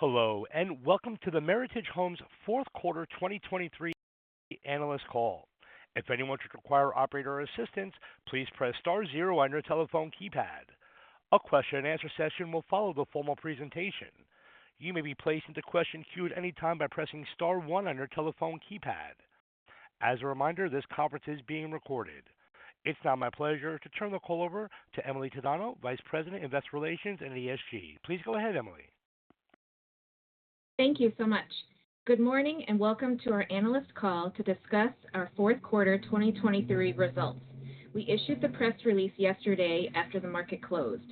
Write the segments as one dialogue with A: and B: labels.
A: Hello, and welcome to the Meritage Homes Q4 2023 Analyst Call. If anyone should require operator assistance, please press star zero on your telephone keypad. A question-and-answer session will follow the formal presentation. You may be placed into question queue at any time by pressing star one on your telephone keypad. As a reminder, this conference is being recorded. It's now my pleasure to turn the call over to Emily Tadano, Vice President, Investor Relations and ESG. Please go ahead, Emily.
B: Thank you so much. Good morning, and welcome to our analyst call to discuss our Q4 2023 results. We issued the press release yesterday after the market closed.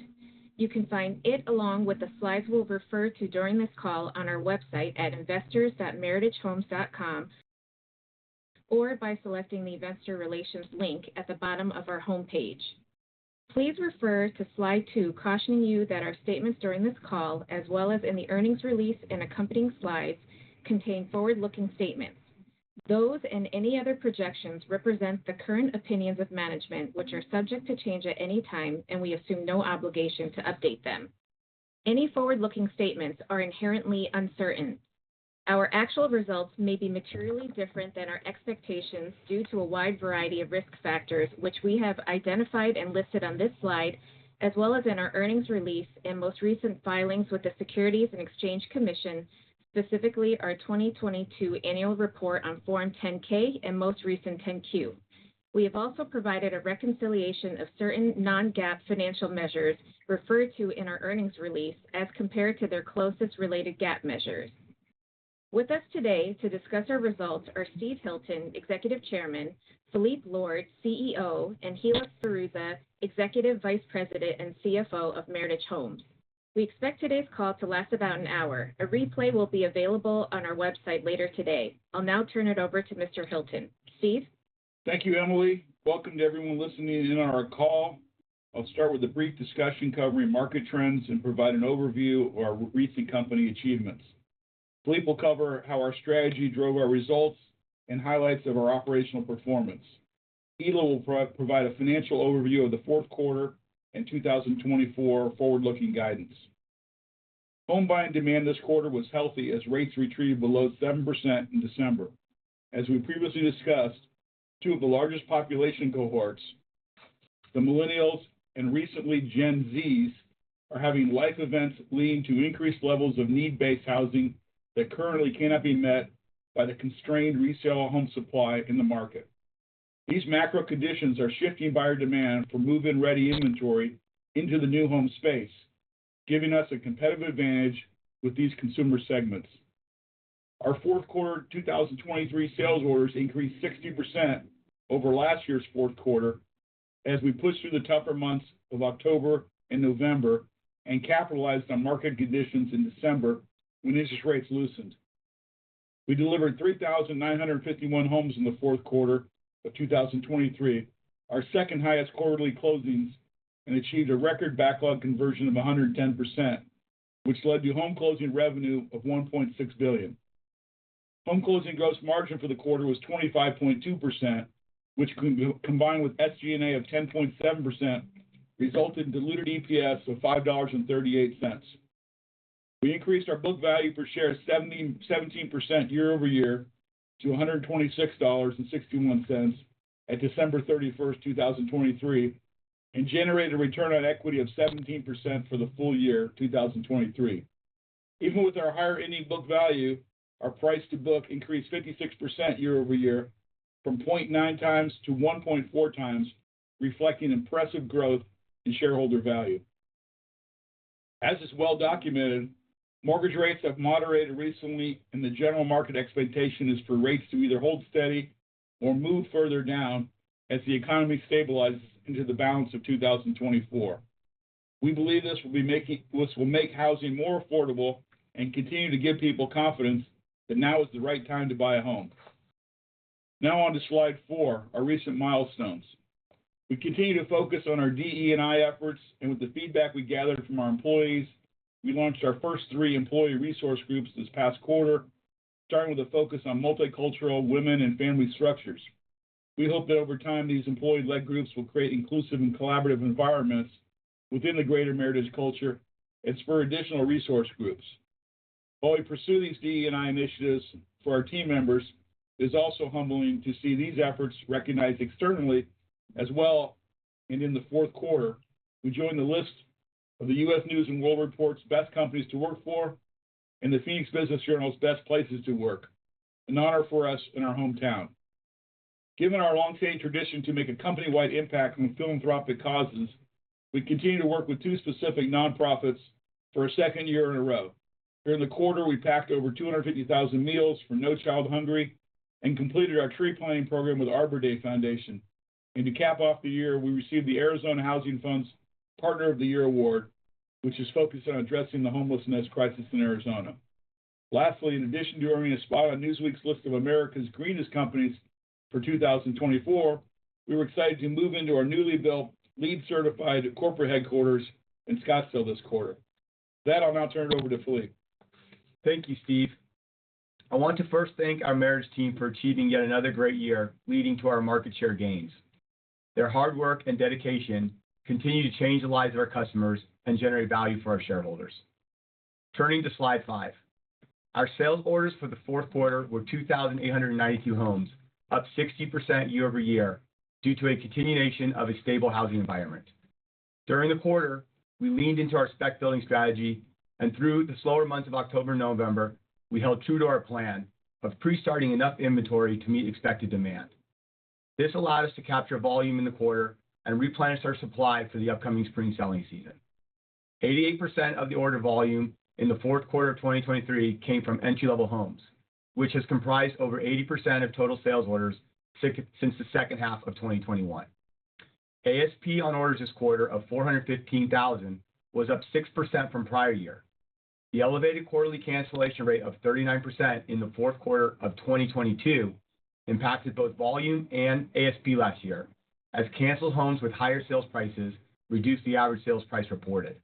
B: You can find it, along with the slides we'll refer to during this call, on our website at investors.meritagehomes.com, or by selecting the Investor Relations link at the bottom of our homepage. Please refer to slide 2, cautioning you that our statements during this call, as well as in the earnings release and accompanying slides, contain forward-looking statements. Those and any other projections represent the current opinions of management, which are subject to change at any time, and we assume no obligation to update them. Any forward-looking statements are inherently uncertain. Our actual results may be materially different than our expectations due to a wide variety of risk factors, which we have identified and listed on this slide, as well as in our earnings release and most recent filings with the Securities and Exchange Commission, specifically our 2022 annual report on Form 10-K and most recent 10-Q. We have also provided a reconciliation of certain non-GAAP financial measures referred to in our earnings release as compared to their closest related GAAP measures. With us today to discuss our results are Steve Hilton, Executive Chairman; Phillippe Lord, CEO; and Hilla Sferruzza, Executive Vice President and CFO of Meritage Homes. We expect today's call to last about an hour. A replay will be available on our website later today. I'll now turn it over to Mr. Hilton. Steve?
C: Thank you, Emily. Welcome to everyone listening in on our call. I'll start with a brief discussion covering market trends and provide an overview of our recent company achievements. Phillippe will cover how our strategy drove our results and highlights of our operational performance. Hilla will provide a financial overview of the Q4 and 2024 forward-looking guidance. Home buying demand this quarter was healthy as rates retrieved below 7% in December. As we previously discussed, two of the largest population cohorts, the Millennials and recently Gen Zs, are having life events leading to increased levels of need-based housing that currently cannot be met by the constrained resale home supply in the market. These macro conditions are shifting buyer demand for move-in-ready inventory into the new home space, giving us a competitive advantage with these consumer segments. Our Q4 2023 sales orders increased 60% over last year's Q4 as we pushed through the tougher months of October and November and capitalized on market conditions in December when interest rates loosened. We delivered 3,951 homes in the Q4 of 2023, our second-highest quarterly closings, and achieved a record backlog conversion of 110%, which led to home closing revenue of $1.6 billion. Home closing gross margin for the quarter was 25.2%, which, combined with SG&A of 10.7%, resulted in diluted EPS of $5.38. We increased our book value per share 17.17% year-over-year to $126.61 at December 31, 2023, and generated a return on equity of 17% for the full year 2023. Even with our higher ending book value, our price to book increased 56% year-over-year from 0.9 times to 1.4 times, reflecting impressive growth in shareholder value. As is well documented, mortgage rates have moderated recently, and the general market expectation is for rates to either hold steady or move further down as the economy stabilizes into the balance of 2024. We believe this will make housing more affordable and continue to give people confidence that now is the right time to buy a home. Now on to slide 4, our recent milestones. We continue to focus on our DE&I efforts, and with the feedback we gathered from our employees, we launched our first 3 employee resource groups this past quarter, starting with a focus on multicultural women and family structures. We hope that over time, these employee-led groups will create inclusive and collaborative environments within the greater Meritage culture and spur additional resource groups. While we pursue these DE&I initiatives for our team members, it's also humbling to see these efforts recognized externally as well, and in the Q4, we joined the list of the U.S. News & World Report's Best Companies to Work For and the Phoenix Business Journal's Best Places to Work, an honor for us in our hometown. Given our long-standing tradition to make a company-wide impact on philanthropic causes, we continue to work with two specific nonprofits for a second year in a row. During the quarter, we packed over 250,000 meals for No Kid Hungry and completed our tree planting program with Arbor Day Foundation. To cap off the year, we received the Arizona Housing Fund's Partner of the Year award, which is focused on addressing the homelessness crisis in Arizona. Lastly, in addition to earning a spot on Newsweek's list of America's Greenest Companies for 2024, we were excited to move into our newly built, LEED-certified corporate headquarters in Scottsdale this quarter. With that, I'll now turn it over to Phillippe.
D: Thank you, Steve. I want to first thank our Meritage team for achieving yet another great year, leading to our market share gains. Their hard work and dedication continue to change the lives of our customers and generate value for our shareholders. Turning to slide 5. Our sales orders for the Q4 were 2,892 homes, up 60% year-over-year, due to a continuation of a stable housing environment. During the quarter, we leaned into our spec building strategy, and through the slower months of October and November, we held true to our plan of pre-starting enough inventory to meet expected demand. This allowed us to capture volume in the quarter and replenish our supply for the upcoming spring selling season. 88% of the order volume in the Q4 of 2023 came from entry-level homes, which has comprised over 80% of total sales orders since the second half of 2021. ASP on orders this quarter of $415,000 was up 6% from prior year. The elevated quarterly cancellation rate of 39% in the Q4 of 2022 impacted both volume and ASP last year, as canceled homes with higher sales prices reduced the average sales price reported.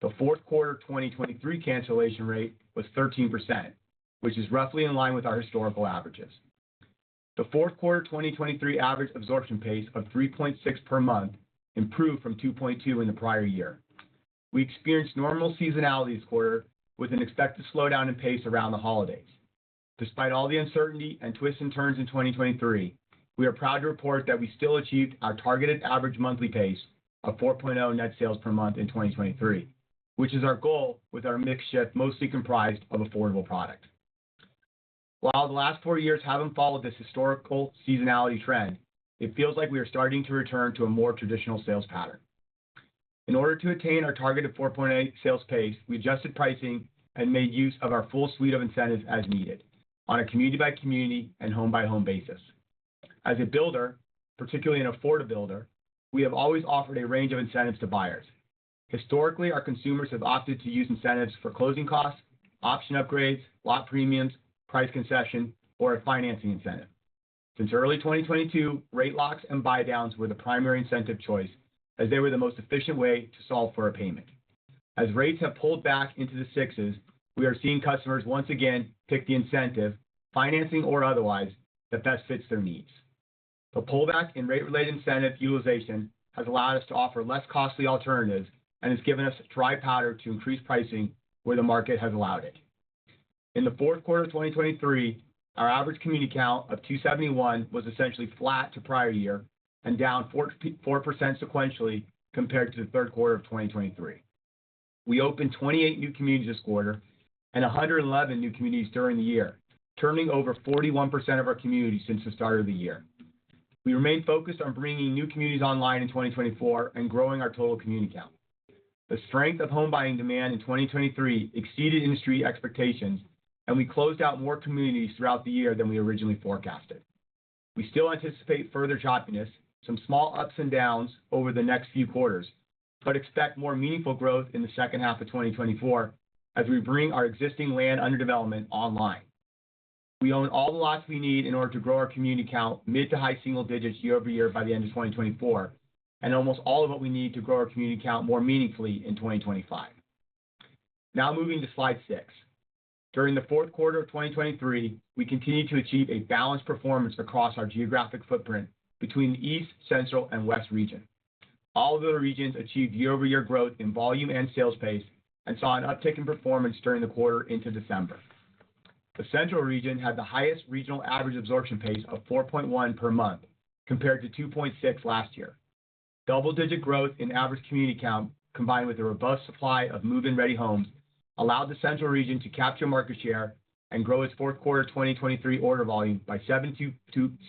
D: The Q4 2023 cancellation rate was 13%, which is roughly in line with our historical averages. The Q4 2023 average absorption pace of 3.6 per month improved from 2.2 in the prior year. We experienced normal seasonality this quarter with an expected slowdown in pace around the holidays. Despite all the uncertainty and twists and turns in 2023, we are proud to report that we still achieved our targeted average monthly pace of 4.0 net sales per month in 2023, which is our goal with our mix shift mostly comprised of affordable product. While the last 4 years haven't followed this historical seasonality trend, it feels like we are starting to return to a more traditional sales pattern. In order to attain our targeted 4.8 sales pace, we adjusted pricing and made use of our full suite of incentives as needed on a community by community and home by home basis. As a builder, particularly an affordable builder, we have always offered a range of incentives to buyers. Historically, our consumers have opted to use incentives for closing costs, option upgrades, lot premiums, price concession, or a financing incentive. Since early 2022, rate locks and buydowns were the primary incentive choice as they were the most efficient way to solve for a payment. As rates have pulled back into the sixes, we are seeing customers once again pick the incentive, financing or otherwise, that best fits their needs. The pullback in rate-related incentive utilization has allowed us to offer less costly alternatives and has given us dry powder to increase pricing where the market has allowed it. In the Q4 of 2023, our average community count of 271 was essentially flat to prior year and down 4.4% sequentially compared to the Q3 of 2023. We opened 28 new communities this quarter and 111 new communities during the year, turning over 41% of our communities since the start of the year. We remain focused on bringing new communities online in 2024 and growing our total community count. The strength of home buying demand in 2023 exceeded industry expectations, and we closed out more communities throughout the year than we originally forecasted. We still anticipate further choppiness, some small ups and downs over the next few quarters, but expect more meaningful growth in the second half of 2024 as we bring our existing land under development online. We own all the lots we need in order to grow our community count mid- to high-single digits year over year by the end of 2024, and almost all of what we need to grow our community count more meaningfully in 2025. Now moving to slide six. During the Q4 of 2023, we continued to achieve a balanced performance across our geographic footprint between the East, Central, and West region. All of the regions achieved year-over-year growth in volume and sales pace and saw an uptick in performance during the quarter into December. The central region had the highest regional average absorption pace of 4.1 per month, compared to 2.6 last year. Double-digit growth in average community count, combined with a robust supply of move-in-ready homes, allowed the central region to capture market share and grow its Q4 2023 order volume by 72,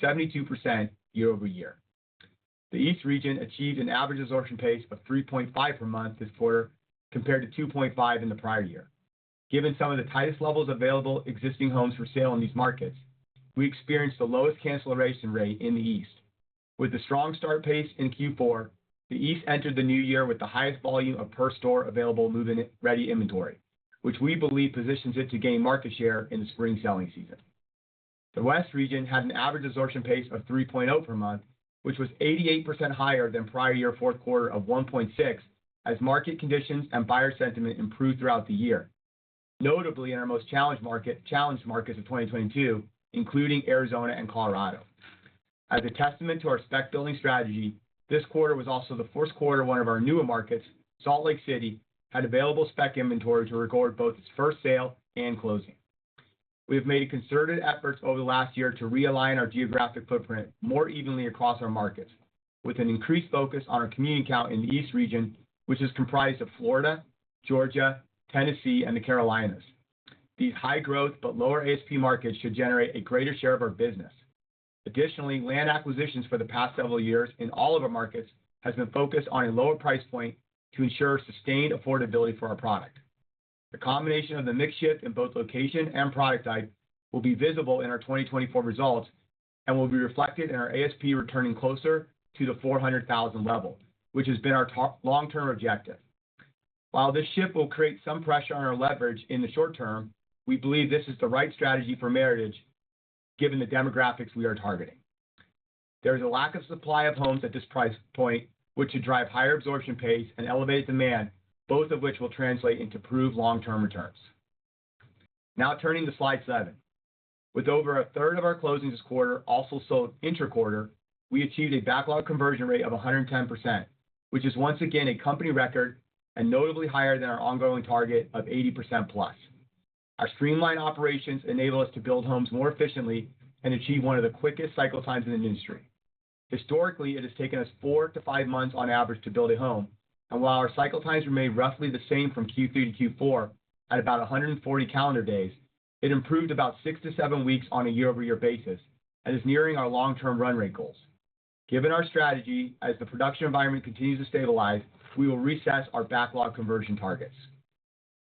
D: 72% year-over-year. The East region achieved an average absorption pace of 3.5 per month this quarter, compared to 2.5 in the prior year. Given some of the tightest levels available existing homes for sale in these markets, we experienced the lowest cancellation rate in the East. With a strong start pace in Q4, the East entered the new year with the highest volume of per square available move-in-ready inventory, which we believe positions it to gain market share in the spring selling season. The West region had an average absorption pace of 3.0 per month, which was 88% higher than prior year Q4 of 1.6, as market conditions and buyer sentiment improved throughout the year, notably in our most challenged market, challenged markets of 2022, including Arizona and Colorado. As a testament to our spec building strategy, this quarter was also the Q1 one of our newer markets. Salt Lake City had available spec inventory to record both its first sale and closing. We have made concerted efforts over the last year to realign our geographic footprint more evenly across our markets, with an increased focus on our community count in the East region, which is comprised of Florida, Georgia, Tennessee, and the Carolinas. These high growth but lower ASP markets should generate a greater share of our business. Additionally, land acquisitions for the past several years in all of our markets has been focused on a lower price point to ensure sustained affordability for our product. The combination of the mix shift in both location and product type will be visible in our 2024 results and will be reflected in our ASP returning closer to the 400,000 level, which has been our long-term objective. While this shift will create some pressure on our leverage in the short term, we believe this is the right strategy for Meritage, given the demographics we are targeting. There is a lack of supply of homes at this price point, which should drive higher absorption pace and elevate demand, both of which will translate into improved long-term returns. Now turning to slide seven. With over a third of our closings this quarter also sold intra-quarter, we achieved a backlog conversion rate of 110%, which is once again a company record and notably higher than our ongoing target of 80% plus. Our streamlined operations enable us to build homes more efficiently and achieve one of the quickest cycle times in the industry. Historically, it has taken us 4-5 months on average to build a home, and while our cycle times remained roughly the same from Q3 to Q4 at about 140 calendar days, it improved about 6-7 weeks on a year-over-year basis and is nearing our long-term run rate goals. Given our strategy, as the production environment continues to stabilize, we will reassess our backlog conversion targets.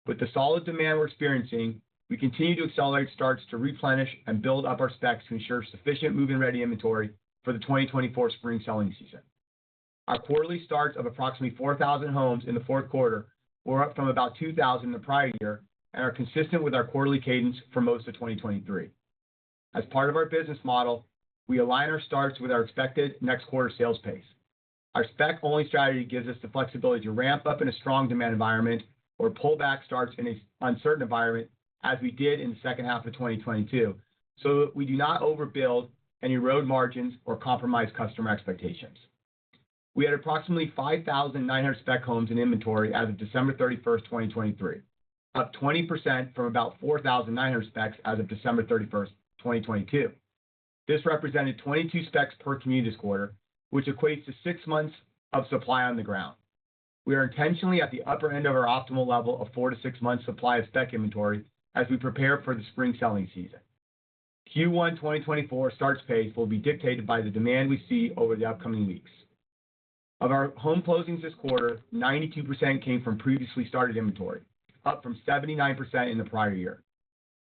D: With the solid demand we're experiencing, we continue to accelerate starts to replenish and build up our specs to ensure sufficient move-in-ready inventory for the 2024 spring selling season. Our quarterly starts of approximately 4,000 homes in the Q4 were up from about 2,000 the prior year and are consistent with our quarterly cadence for most of 2023. As part of our business model, we align our starts with our expected next quarter sales pace. Our spec-only strategy gives us the flexibility to ramp up in a strong demand environment or pull back starts in an uncertain environment, as we did in the second half of 2022, so we do not overbuild, and erode margins or compromise customer expectations. We had approximately 5,900 spec homes in inventory as of December 31, 2023, up 20% from about 4,900 specs as of December 31, 2022. This represented 22 specs per community this quarter, which equates to six months of supply on the ground. We are intentionally at the upper end of our optimal level of four to six months supply of spec inventory as we prepare for the spring selling season. Q1 2024 starts pace will be dictated by the demand we see over the upcoming weeks. Of our home closings this quarter, 92% came from previously started inventory, up from 79% in the prior year.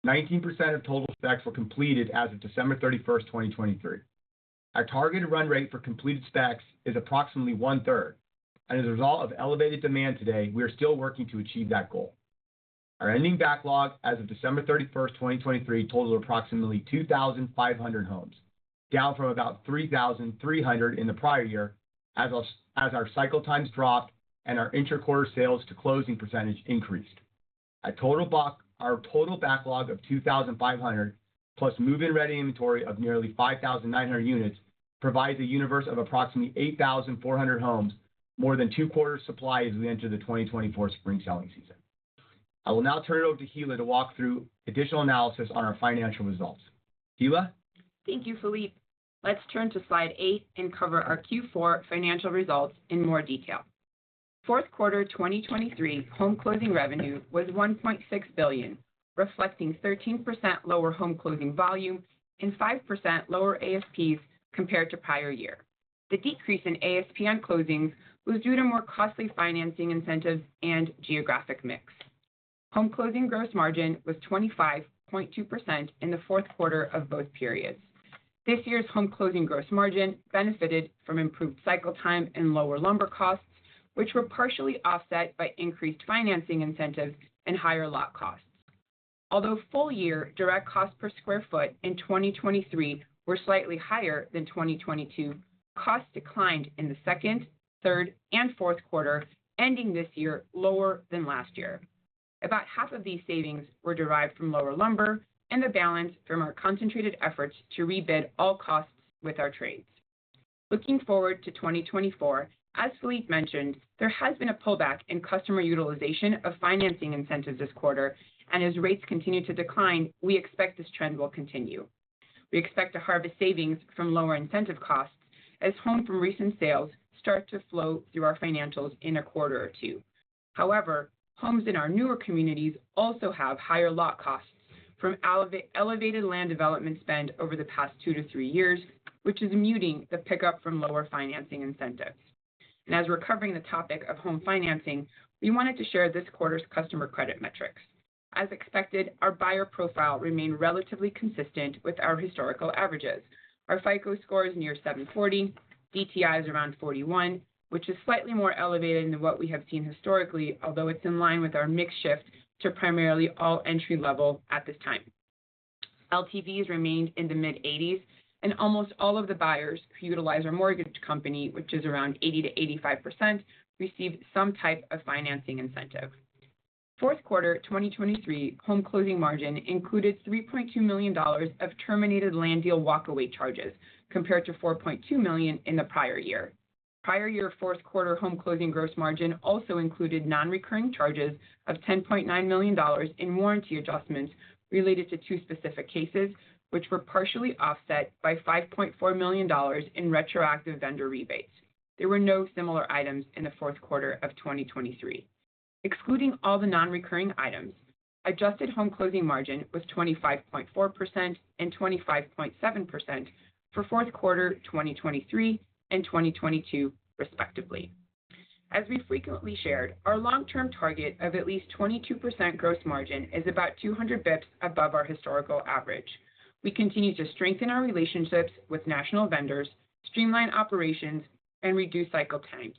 D: 19% of total specs were completed as of December 31, 2023. Our targeted run rate for completed specs is approximately one-third, and as a result of elevated demand today, we are still working to achieve that goal. Our ending backlog as of December 31, 2023, totals approximately 2,500 homes, down from about 3,300 in the prior year as our cycle times dropped and our intra-quarter sales to closing percentage increased. Our total backlog of 2,500, plus move-in-ready inventory of nearly 5,900 units, provides a universe of approximately 8,400 homes, more than two quarters supply as we enter the 2024 spring selling season. I will now turn it over to Hilla to walk through additional analysis on our financial results. Hilla?
E: Thank you, Phillippe. Let's turn to slide eight and cover our Q4 financial results in more detail. Q4 2023 home closing revenue was $1.6 billion, reflecting 13% lower home closing volume and 5% lower ASPs compared to prior year. The decrease in ASP on closings was due to more costly financing incentives and geographic mix. Home closing gross margin was 25.2% in the Q4 of both periods. This year's home closing gross margin benefited from improved cycle time and lower lumber costs, which were partially offset by increased financing incentives and higher lot costs. Although full year direct costs per sq ft in 2023 were slightly higher than 2022, costs declined in the second, third, and Q4, ending this year lower than last year. About half of these savings were derived from lower lumber and the balance from our concentrated efforts to rebid all costs with our trades. Looking forward to 2024, as Phillippe mentioned, there has been a pullback in customer utilization of financing incentives this quarter, and as rates continue to decline, we expect this trend will continue. We expect to harvest savings from lower incentive costs as homes from recent sales start to flow through our financials in a quarter or two. However, homes in our newer communities also have higher lot costs from elevated land development spend over the past 2-3 years, which is muting the pickup from lower financing incentives. And as we're covering the topic of home financing, we wanted to share this quarter's customer credit metrics. As expected, our buyer profile remained relatively consistent with our historical averages. Our FICO score is near 740, DTI is around 41, which is slightly more elevated than what we have seen historically, although it's in line with our mix shift to primarily all entry level at this time. LTVs remained in the mid-80s, and almost all of the buyers who utilize our mortgage company, which is around 80%-85%, received some type of financing incentive. Q4 2023 home closing margin included $3.2 million of terminated land deal walkaway charges, compared to $4.2 million in the prior year. Prior year Q4 home closing gross margin also included non-recurring charges of $10.9 million in warranty adjustments related to two specific cases, which were partially offset by $5.4 million in retroactive vendor rebates. There were no similar items in the Q4 of 2023. Excluding all the non-recurring items, adjusted home closing margin was 25.4% and 25.7% for Q4 2023 and 2022, respectively. As we frequently shared, our long-term target of at least 22% gross margin is about 200 bps above our historical average. We continue to strengthen our relationships with national vendors, streamline operations, and reduce cycle times.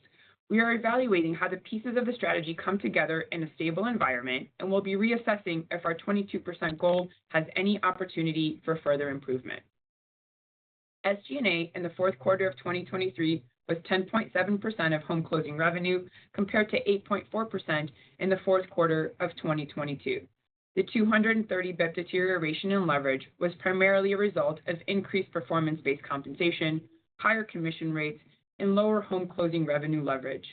E: We are evaluating how the pieces of the strategy come together in a stable environment, and we'll be reassessing if our 22% goal has any opportunity for further improvement.... SG&A in the Q4 of 2023 was 10.7% of home closing revenue, compared to 8.4% in the Q4 of 2022. The 230 bps deterioration in leverage was primarily a result of increased performance-based compensation, higher commission rates, and lower home closing revenue leverage.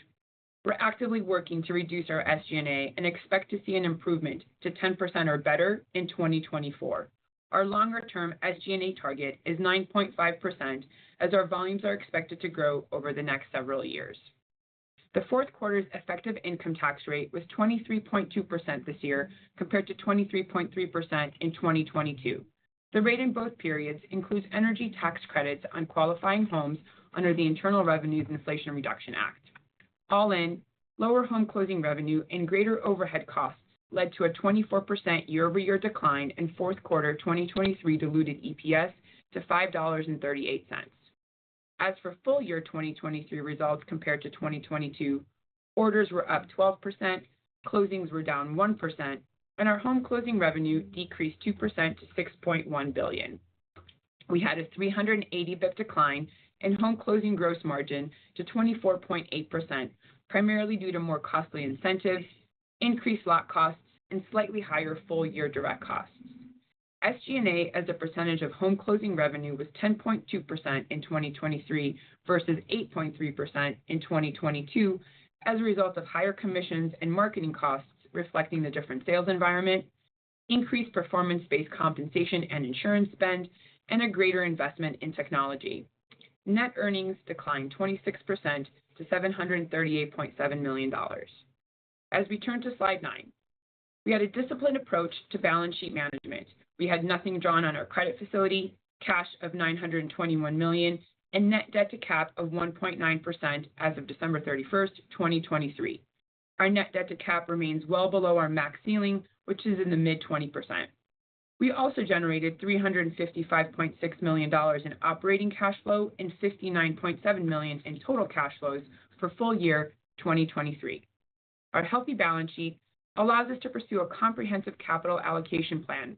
E: We're actively working to reduce our SG&A and expect to see an improvement to 10% or better in 2024. Our longer-term SG&A target is 9.5%, as our volumes are expected to grow over the next several years. The Q4's effective income tax rate was 23.2% this year, compared to 23.3% in 2022. The rate in both periods includes energy tax credits on qualifying homes under the Internal Revenue's Inflation Reduction Act. All in, lower home closing revenue and greater overhead costs led to a 24% year-over-year decline in Q4 2023 diluted EPS to $5.38. As for full year 2023 results compared to 2022, orders were up 12%, closings were down 1%, and our home closing revenue decreased 2% to $6.1 billion. We had a 380 basis points decline in home closing gross margin to 24.8%, primarily due to more costly incentives, increased lot costs, and slightly higher full-year direct costs. SG&A, as a percentage of home closing revenue, was 10.2% in 2023 versus 8.3% in 2022, as a result of higher commissions and marketing costs reflecting the different sales environment, increased performance-based compensation and insurance spend, and a greater investment in technology. Net earnings declined 26% to $738.7 million. As we turn to Slide 9, we had a disciplined approach to balance sheet management. We had nothing drawn on our credit facility, cash of $921 million, and net debt-to-cap of 1.9% as of December 31, 2023. Our net debt-to-cap remains well below our max ceiling, which is in the mid-20%. We also generated $355.6 million in operating cash flow and $59.7 million in total cash flows for full year 2023. Our healthy balance sheet allows us to pursue a comprehensive capital allocation plan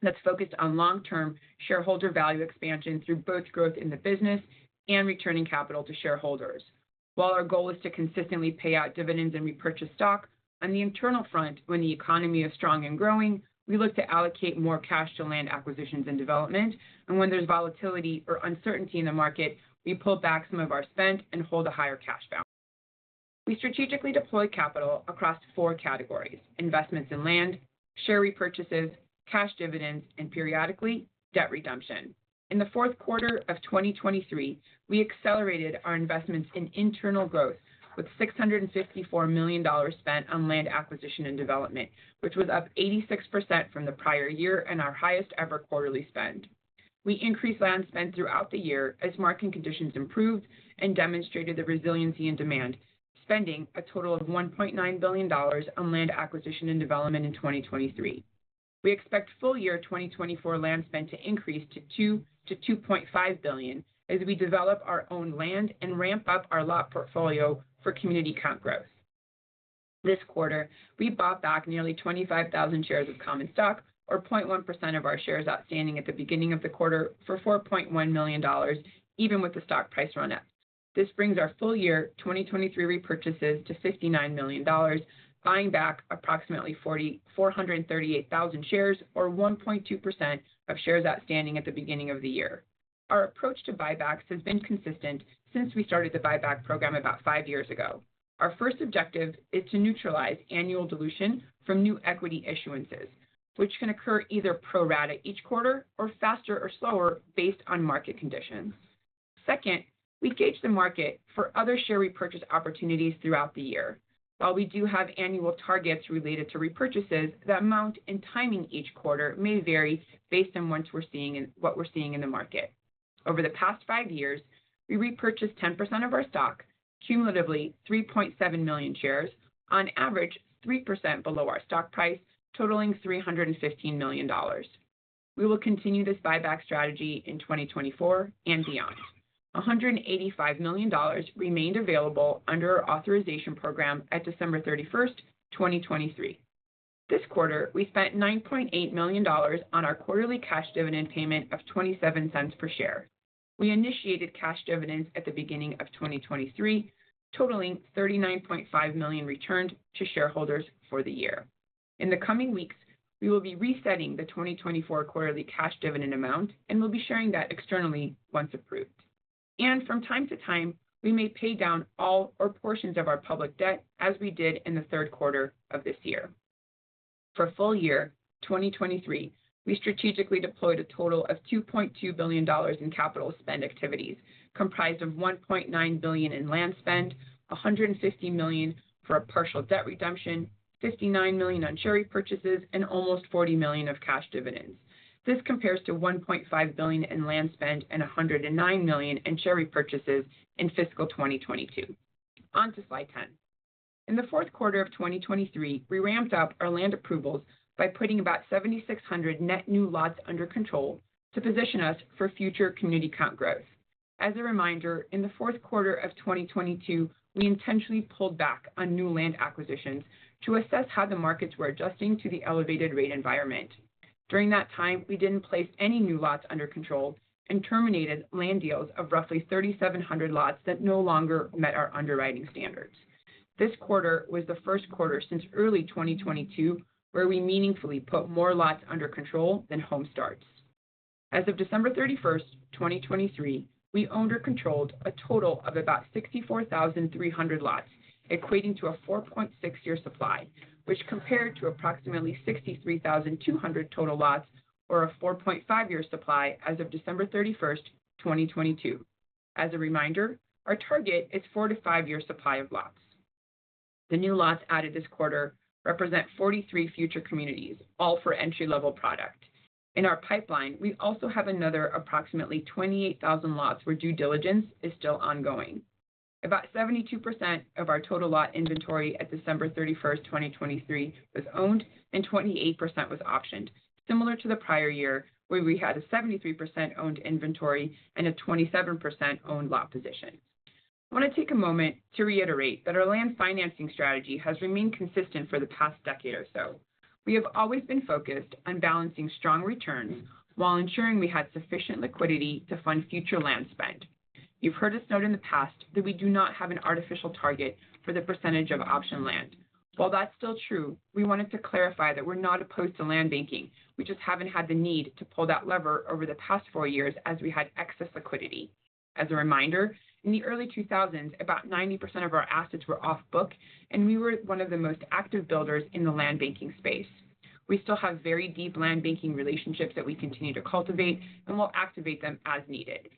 E: that's focused on long-term shareholder value expansion through both growth in the business and returning capital to shareholders. While our goal is to consistently pay out dividends and repurchase stock, on the internal front, when the economy is strong and growing, we look to allocate more cash to land acquisitions and development, and when there's volatility or uncertainty in the market, we pull back some of our spend and hold a higher cash balance. We strategically deploy capital across 4 categories: investments in land, share repurchases, cash dividends, and periodically, debt redemption. In the Q4 of 2023, we accelerated our investments in internal growth with $654 million spent on land acquisition and development, which was up 86% from the prior year and our highest-ever quarterly spend. We increased land spend throughout the year as market conditions improved and demonstrated the resiliency and demand, spending a total of $1.9 billion on land acquisition and development in 2023. We expect full year 2024 land spend to increase to $2-$2.5 billion as we develop our own land and ramp up our lot portfolio for community count growth. This quarter, we bought back nearly 25,000 shares of common stock, or 0.1% of our shares outstanding at the beginning of the quarter, for $4.1 million, even with the stock price run up. This brings our full year, 2023 repurchases to $59 million, buying back approximately 443,800 shares, or 1.2% of shares outstanding at the beginning of the year. Our approach to buybacks has been consistent since we started the buyback program about five years ago. Our first objective is to neutralize annual dilution from new equity issuances, which can occur either pro rata each quarter or faster or slower based on market conditions. Second, we gauge the market for other share repurchase opportunities throughout the year. While we do have annual targets related to repurchases, the amount and timing each quarter may vary based on what we're seeing, what we're seeing in the market. Over the past 5 years, we repurchased 10% of our stock, cumulatively 3.7 million shares, on average, 3% below our stock price, totaling $315 million. We will continue this buyback strategy in 2024 and beyond. $185 million remained available under our authorization program at December 31, 2023. This quarter, we spent $9.8 million on our quarterly cash dividend payment of $0.27 per share. We initiated cash dividends at the beginning of 2023, totaling $39.5 million returned to shareholders for the year. In the coming weeks, we will be resetting the 2024 quarterly cash dividend amount and will be sharing that externally once approved. From time to time, we may pay down all or portions of our public debt, as we did in the Q3 of this year. For full year 2023, we strategically deployed a total of $2.2 billion in capital spend activities, comprised of $1.9 billion in land spend, $150 million for a partial debt redemption, $59 million on share repurchases, and almost $40 million of cash dividends. This compares to $1.5 billion in land spend and $109 million in share repurchases in fiscal 2022. On to Slide 10. In the Q4 of 2023, we ramped up our land approvals by putting about 7,600 net new lots under control to position us for future community count growth. As a reminder, in the Q4 of 2022, we intentionally pulled back on new land acquisitions to assess how the markets were adjusting to the elevated rate environment. During that time, we didn't place any new lots under control and terminated land deals of roughly 3,700 lots that no longer met our underwriting standards. This quarter was the Q1 since early 2022, where we meaningfully put more lots under control than home starts. As of December thirty-first, 2023, we owned or controlled a total of about 64,300 lots, equating to a 4.6-year supply, which compared to approximately 63,200 total lots or a 4.5-year supply as of December thirty-first, 2022. As a reminder, our target is 4-5-year supply of lots. The new lots added this quarter represent 43 future communities, all for entry-level product. In our pipeline, we also have another approximately 28,000 lots where due diligence is still ongoing. About 72% of our total lot inventory at December thirty-first, 2023, was owned, and 28% was optioned, similar to the prior year, where we had a 73% owned inventory and a 27% owned lot position. I want to take a moment to reiterate that our land financing strategy has remained consistent for the past decade or so. We have always been focused on balancing strong returns while ensuring we had sufficient liquidity to fund future land spend. You've heard us note in the past that we do not have an artificial target for the percentage of option land. While that's still true, we wanted to clarify that we're not opposed to land banking. We just haven't had the need to pull that lever over the past four years as we had excess liquidity. As a reminder, in the early 2000s, about 90% of our assets were off book, and we were one of the most active builders in the land banking space. We still have very deep land banking relationships that we continue to cultivate, and we'll activate them as needed.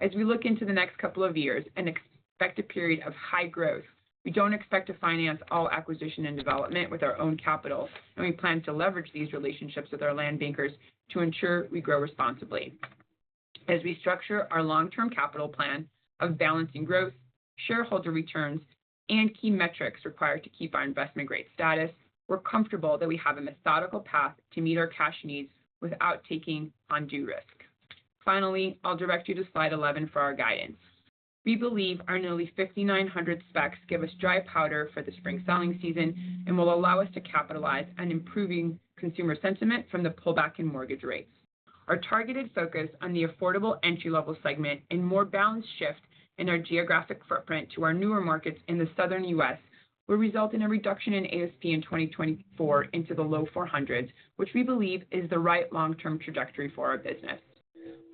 E: As we look into the next couple of years and expect a period of high growth, we don't expect to finance all acquisition and development with our own capital, and we plan to leverage these relationships with our land bankers to ensure we grow responsibly. As we structure our long-term capital plan of balancing growth, shareholder returns, and key metrics required to keep our Investment Grade status, we're comfortable that we have a methodical path to meet our cash needs without taking undue risk. Finally, I'll direct you to slide 11 for our guidance. We believe our nearly 5,900 specs give us dry powder for the spring selling season and will allow us to capitalize on improving consumer sentiment from the pullback in mortgage rates. Our targeted focus on the affordable entry-level segment and more balanced shift in our geographic footprint to our newer markets in the Southern U.S., will result in a reduction in ASP in 2024 into the low $400s, which we believe is the right long-term trajectory for our business.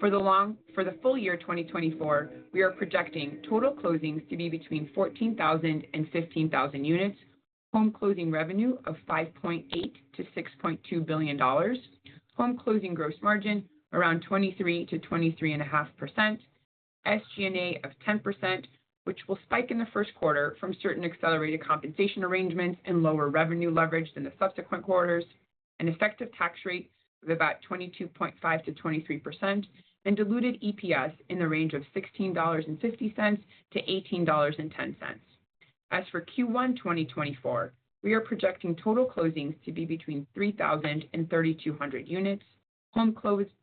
E: For the full year, 2024, we are projecting total closings to be between 14,000 and 15,000 units, home closing revenue of $5.8 billion-$6.2 billion, home closing gross margin around 23%-23.5%, SG&A of 10%, which will spike in the Q1 from certain accelerated compensation arrangements and lower revenue leverage in the subsequent quarters, an effective tax rate of about 22.5%-23%, and diluted EPS in the range of $16.50-$18.10. As for Q1 2024, we are projecting total closings to be between 3,000-3,200 units, home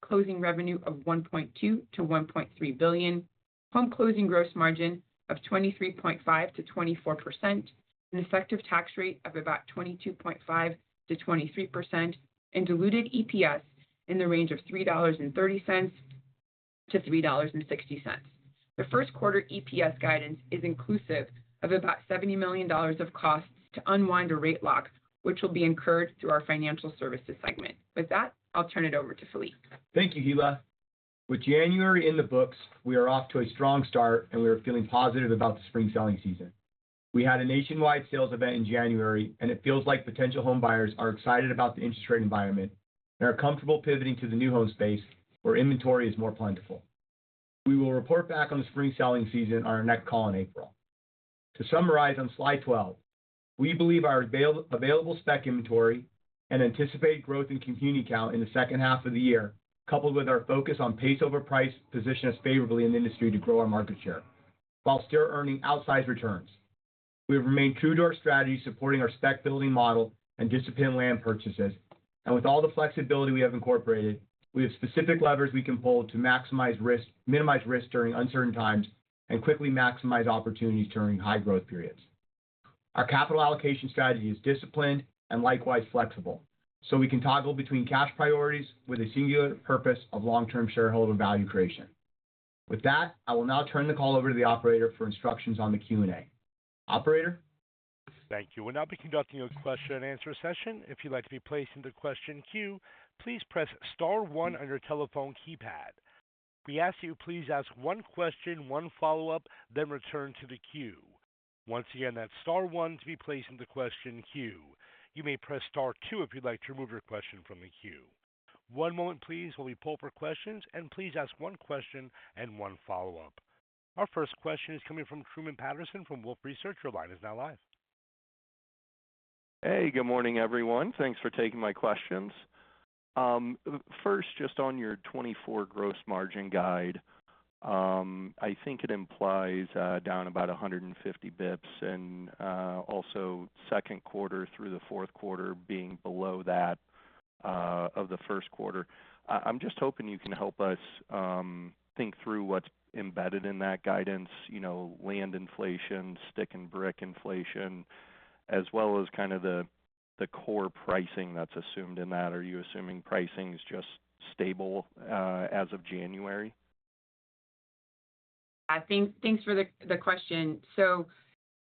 E: closing revenue of $1.2 billion-$1.3 billion, home closing gross margin of 23.5%-24%, an effective tax rate of about 22.5%-23%, and diluted EPS in the range of $3.30-$3.60. The Q1 EPS guidance is inclusive of about $70 million of costs to unwind a rate lock, which will be incurred through our financial services segment. With that, I'll turn it over to Phillippe.
D: Thank you, Hilla. With January in the books, we are off to a strong start, and we are feeling positive about the spring selling season. We had a nationwide sales event in January, and it feels like potential home buyers are excited about the interest rate environment and are comfortable pivoting to the new home space where inventory is more plentiful. We will report back on the spring selling season on our next call in April. To summarize on slide 12, we believe our available spec inventory and anticipated growth in community count in the second half of the year, coupled with our focus on pace over price, position us favorably in the industry to grow our market share while still earning outsized returns. We have remained true to our strategy, supporting our spec building model and disciplined land purchases. With all the flexibility we have incorporated, we have specific levers we can pull to maximize risk, minimize risk during uncertain times and quickly maximize opportunities during high growth periods. Our capital allocation strategy is disciplined and likewise flexible, so we can toggle between cash priorities with a singular purpose of long-term shareholder value creation. With that, I will now turn the call over to the operator for instructions on the Q&A. Operator?
A: Thank you. We'll now be conducting a question-and-answer session. If you'd like to be placed into the question queue, please press star one on your telephone keypad. We ask that you please ask one question, one follow-up, then return to the queue. Once again, that's star one to be placed in the question queue. You may press star two if you'd like to remove your question from the queue. One moment, please, while we pull for questions, and please ask one question and one follow-up. Our first question is coming from Truman Patterson from Wolfe Research. Your line is now live.
F: Hey, good morning, everyone. Thanks for taking my questions. First, just on your 2024 gross margin guide, I think it implies, down about 150 basis points, and, also Q2 through the Q4 being below that of the Q1. I, I'm just hoping you can help us think through what's embedded in that guidance, you know, land inflation, stick-and-brick inflation, as well as kind of the core pricing that's assumed in that. Are you assuming pricing is just stable, as of January?
E: I think... Thanks for the question. So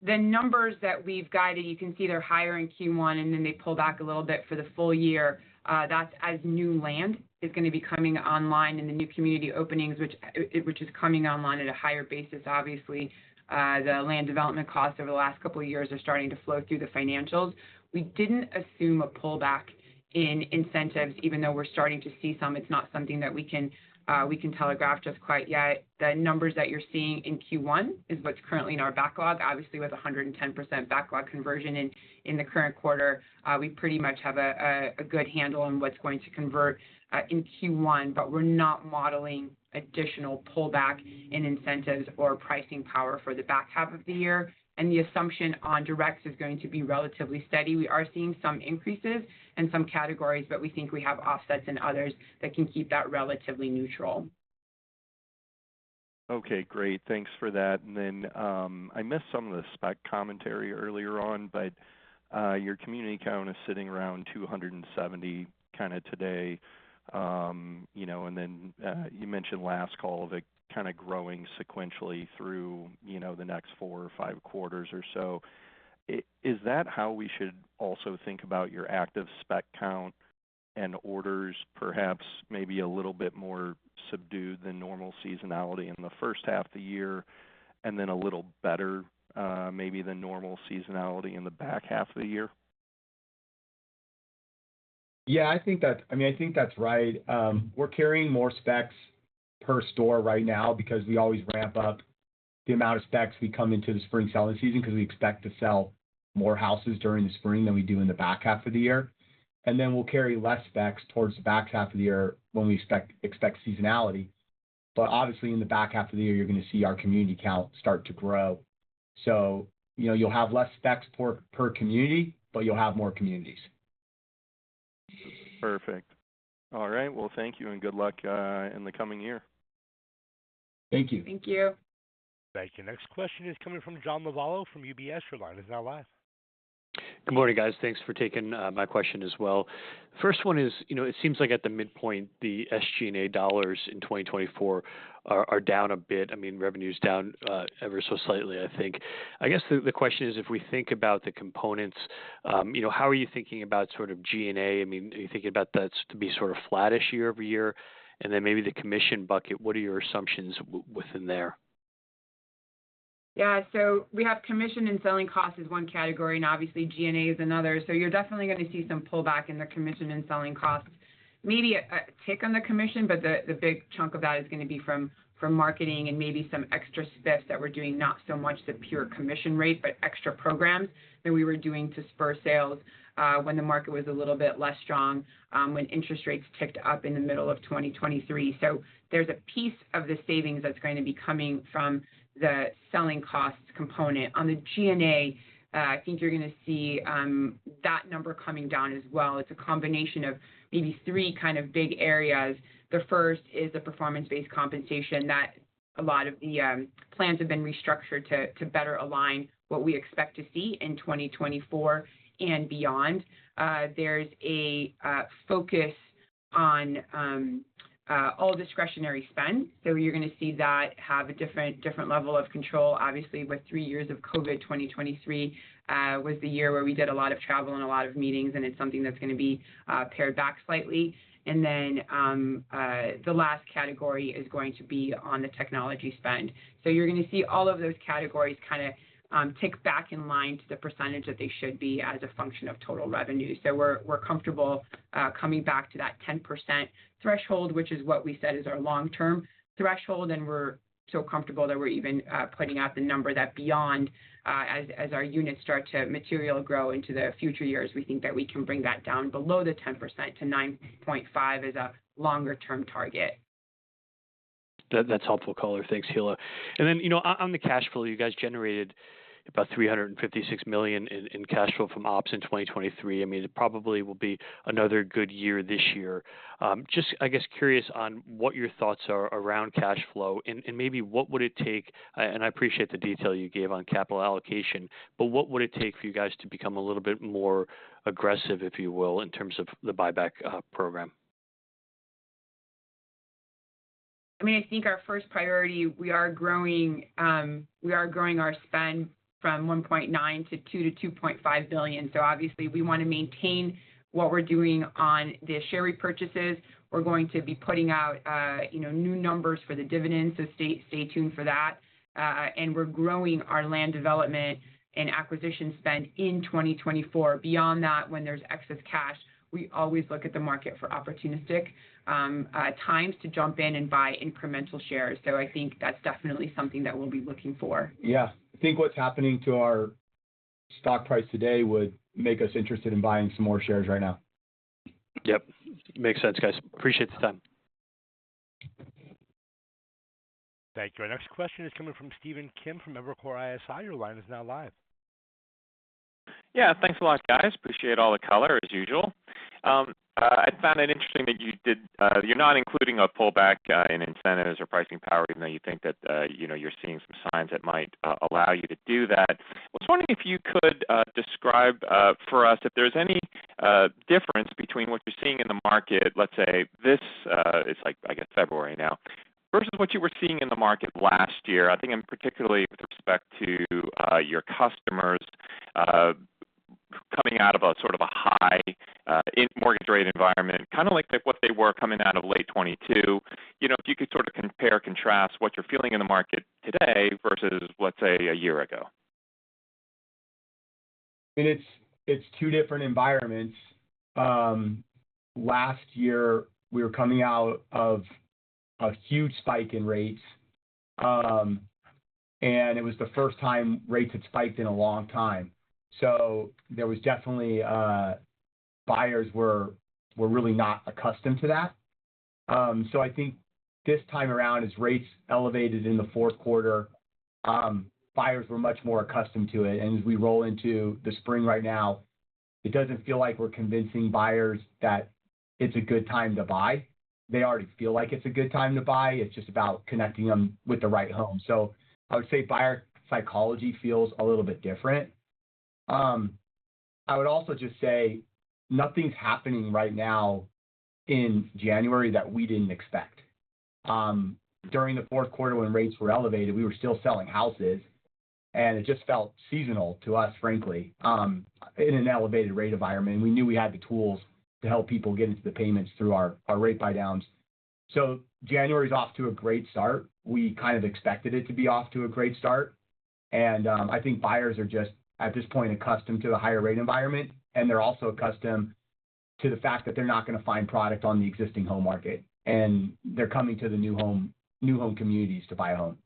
E: the numbers that we've guided, you can see they're higher in Q1, and then they pull back a little bit for the full year. That's as new land is going to be coming online, and the new community openings, which is coming online at a higher basis. Obviously, the land development costs over the last couple of years are starting to flow through the financials. We didn't assume a pullback in incentives, even though we're starting to see some. It's not something that we can telegraph just quite yet. The numbers that you're seeing in Q1 is what's currently in our backlog. Obviously, with 110% backlog conversion in the current quarter, we pretty much have a good handle on what's going to convert in Q1, but we're not modeling additional pullback in incentives or pricing power for the back half of the year. The assumption on directs is going to be relatively steady. We are seeing some increases in some categories, but we think we have offsets in others that can keep that relatively neutral.
F: Okay, great. Thanks for that. And then, I missed some of the spec commentary earlier on, but your community count is sitting around 270 kinda today. You know, and then you mentioned last call, that kind of growing sequentially through, you know, the next four or five quarters or so. Is that how we should also think about your active spec count and orders, perhaps maybe a little bit more subdued than normal seasonality in the first half of the year, and then a little better, maybe than normal seasonality in the back half of the year?
D: Yeah, I think that, I mean, I think that's right. We're carrying more specs per store right now because we always ramp up the amount of specs we come into the spring selling season, because we expect to sell more houses during the spring than we do in the back half of the year. And then we'll carry less specs towards the back half of the year when we expect seasonality. But obviously, in the back half of the year, you're going to see our community count start to grow. So you know, you'll have less specs per community, but you'll have more communities.
F: Perfect. All right. Well, thank you, and good luck in the coming year.
D: Thank you.
E: Thank you.
A: Thank you. Next question is coming from John Lovallo from UBS. Your line is now live.
G: Good morning, guys. Thanks for taking my question as well. First one is, you know, it seems like at the midpoint, the SG&A dollars in 2024 are down a bit. I mean, revenue is down ever so slightly, I think. I guess the question is, if we think about the components, you know, how are you thinking about sort of G&A? I mean, are you thinking about that to be sort of flattish year-over-year? And then maybe the commission bucket, what are your assumptions within there?
E: Yeah, so we have commission and selling costs as one category, and obviously G&A is another. So you're definitely going to see some pullback in the commission and selling costs. Maybe a tick on the commission, but the big chunk of that is going to be from marketing and maybe some extra spiffs that we're doing, not so much the pure commission rate, but extra programs that we were doing to spur sales, when the market was a little bit less strong, when interest rates ticked up in the middle of 2023. So there's a piece of the savings that's going to be coming from the selling costs component. On the G&A, I think you're going to see that number coming down as well. It's a combination of maybe three kind of big areas. The first is the performance-based compensation, that a lot of the plans have been restructured to better align what we expect to see in 2024 and beyond. There's a focus on all discretionary spend, so you're going to see that have a different, different level of control. Obviously, with three years of COVID, 2023 was the year where we did a lot of travel and a lot of meetings, and it's something that's going to be pared back slightly. And then, the last category is going to be on the technology spend. So you're going to see all of those categories kind of tick back in line to the percentage that they should be as a function of total revenue. So we're comfortable coming back to that 10% threshold, which is what we said is our long-term threshold, and we're so comfortable that we're even putting out the number that beyond as our units start to materially grow into the future years, we think that we can bring that down below the 10% to 9.5 as a longer-term target.
G: That, that's helpful color. Thanks, Hilla. And then, you know, on the cash flow, you guys generated about $356 million in cash flow from ops in 2023. I mean, it probably will be another good year this year. Just, I guess, curious on what your thoughts are around cash flow and maybe what would it take, and I appreciate the detail you gave on capital allocation, but what would it take for you guys to become a little bit more aggressive, if you will, in terms of the buyback program?
E: I mean, I think our first priority, we are growing, we are growing our spend from $1.9 billion to $2 billion to $2.5 billion. So obviously, we want to maintain what we're doing on the share repurchases. We're going to be putting out, you know, new numbers for the dividend, so stay, stay tuned for that. And we're growing our land development and acquisition spend in 2024. Beyond that, when there's excess cash, we always look at the market for opportunistic, times to jump in and buy incremental shares. So I think that's definitely something that we'll be looking for.
D: Yeah. I think what's happening to our stock price today would make us interested in buying some more shares right now.
G: Yep. Makes sense, guys. Appreciate the time....
A: Thank you. Our next question is coming from Steven Kim from Evercore ISI. Your line is now live.
H: Yeah, thanks a lot, guys. Appreciate all the color, as usual. I found it interesting that you did. You're not including a pullback in incentives or pricing power, even though you think that, you know, you're seeing some signs that might allow you to do that. I was wondering if you could describe for us if there's any difference between what you're seeing in the market, let's say, this, it's like, I guess, February now, versus what you were seeing in the market last year. I think in particularly with respect to your customers coming out of a sort of a high in mortgage rate environment, kind of like, like what they were coming out of late 2022. You know, if you could sort of compare and contrast what you're feeling in the market today versus, let's say, a year ago?
D: I mean, it's two different environments. Last year, we were coming out of a huge spike in rates, and it was the first time rates had spiked in a long time. So there was definitely buyers were really not accustomed to that. So I think this time around, as rates elevated in the Q4, buyers were much more accustomed to it. And as we roll into the spring right now, it doesn't feel like we're convincing buyers that it's a good time to buy. They already feel like it's a good time to buy. It's just about connecting them with the right home. So I would say buyer psychology feels a little bit different. I would also just say nothing's happening right now in January that we didn't expect. During the Q4, when rates were elevated, we were still selling houses, and it just felt seasonal to us, frankly, in an elevated rate environment. We knew we had the tools to help people get into the payments through our, our rate buydowns. So January is off to a great start. We kind of expected it to be off to a great start, and, I think buyers are just, at this point, accustomed to the higher rate environment, and they're also accustomed to the fact that they're not going to find product on the existing home market, and they're coming to the new home, new home communities to buy a home.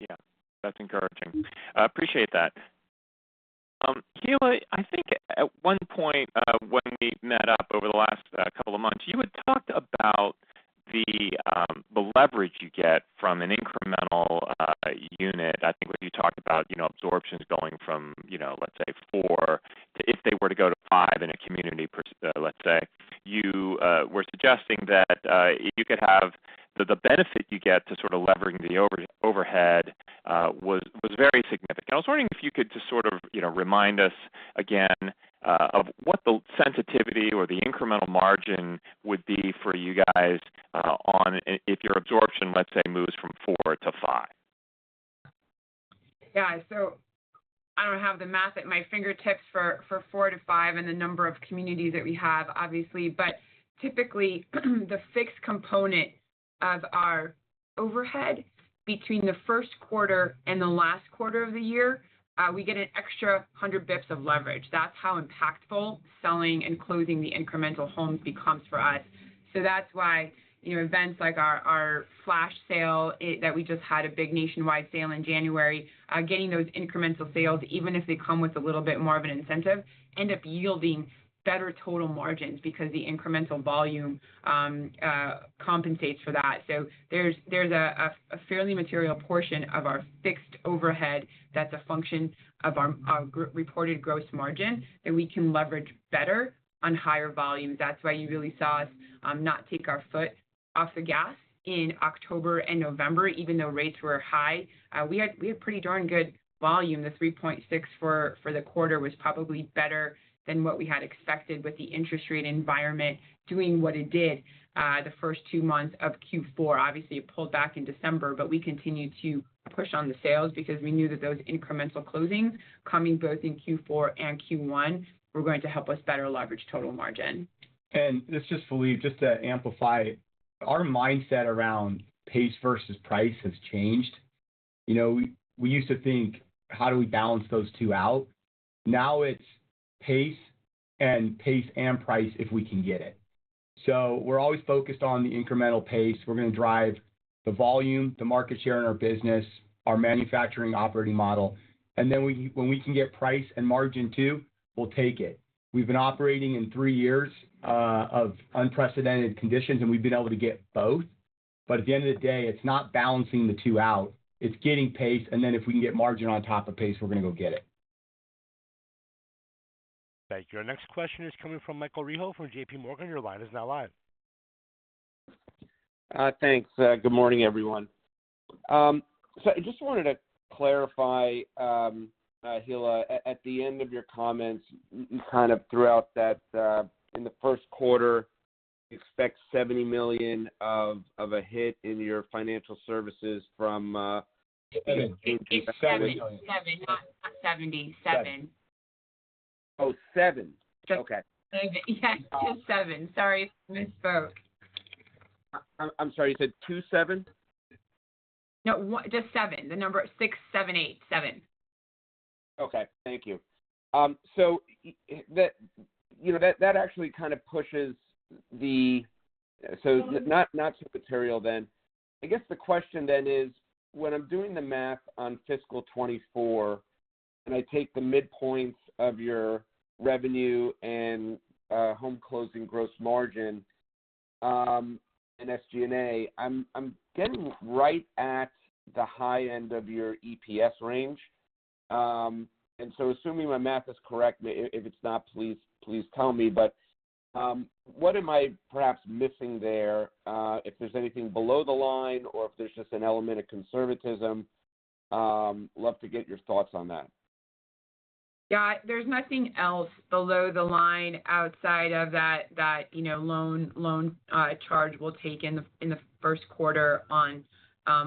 H: Yeah, that's encouraging. I appreciate that. Hilla, I think at one point, when we met up over the last couple of months, you had talked about the leverage you get from an incremental unit. I think when you talked about, you know, absorptions going from, you know, let's say 4, to if they were to go to 5 in a community, let's say. You were suggesting that the benefit you get to sort of leveraging the overhead was very significant. I was wondering if you could just sort of, you know, remind us again of what the sensitivity or the incremental margin would be for you guys on... If your absorption, let's say, moves from 4 to 5.
E: Yeah. So I don't have the math at my fingertips for 4-5 and the number of communities that we have, obviously. But typically, the fixed component of our overhead between the Q1 and the last quarter of the year, we get an extra 100 basis points of leverage. That's how impactful selling and closing the incremental homes becomes for us. So that's why, you know, events like our flash sale that we just had a big nationwide sale in January, getting those incremental sales, even if they come with a little bit more of an incentive, end up yielding better total margins because the incremental volume compensates for that. So there's a fairly material portion of our fixed overhead that's a function of our reported gross margin, that we can leverage better on higher volumes. That's why you really saw us not take our foot off the gas in October and November, even though rates were high. We had pretty darn good volume. The 3.6 for the quarter was probably better than what we had expected with the interest rate environment doing what it did, the first two months of Q4. Obviously, it pulled back in December, but we continued to push on the sales because we knew that those incremental closings coming both in Q4 and Q1 were going to help us better leverage total margin.
D: This is Phillippe. Just to amplify, our mindset around pace versus price has changed. You know, we used to think, how do we balance those two out? Now it's pace and pace and price, if we can get it. So we're always focused on the incremental pace. We're going to drive the volume, the market share in our business, our manufacturing operating model, and then when we can get price and margin too, we'll take it. We've been operating in three years of unprecedented conditions, and we've been able to get both. But at the end of the day, it's not balancing the two out, it's getting pace, and then if we can get margin on top of pace, we're going to go get it.
A: Thank you. Our next question is coming from Michael Rehaut from J.P. Morgan. Your line is now live.
I: Thanks. Good morning, everyone. So I just wanted to clarify, Hilla, at the end of your comments, kind of throughout that, in the Q1, you expect $70 million of a hit in your financial services from.
E: 7. 7, not 70. 7.
I: Oh, 7? Okay.
E: Yeah, 27. Sorry, misspoke.
I: I'm sorry, you said 27?
E: No, 1—just 7. The number 6, 7, 8. 7.
I: Okay, thank you. So the, you know, that actually kind of pushes the... So not so material then. I guess the question then is, when I'm doing the math on fiscal 2024... and I take the midpoints of your revenue and home closing gross margin and SG&A, I'm getting right at the high end of your EPS range. And so assuming my math is correct, if it's not, please tell me, but what am I perhaps missing there? If there's anything below the line or if there's just an element of conservatism, love to get your thoughts on that.
E: Yeah. There's nothing else below the line outside of that, you know, loan charge we'll take in the Q1 on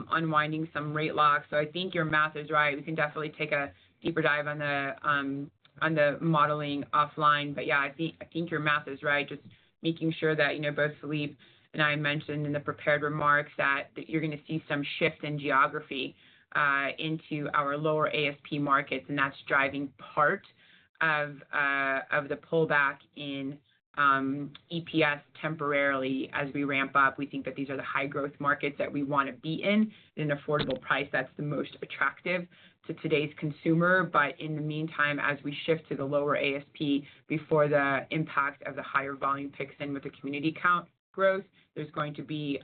E: unwinding some rate locks. So I think your math is right. We can definitely take a deeper dive on the modeling offline, but yeah, I think your math is right. Just making sure that, you know, both Phillippe and I mentioned in the prepared remarks that you're going to see some shift in geography into our lower ASP markets, and that's driving part of the pullback in EPS temporarily. As we ramp up, we think that these are the high growth markets that we want to be in, in an affordable price that's the most attractive to today's consumer. But in the meantime, as we shift to the lower ASP before the impact of the higher volume kicks in with the community count growth, there's going to be